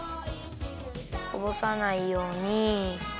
こぼさないように。